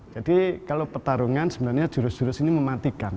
jadi kalau pertarungan sebenarnya jurus jurus ini mematikan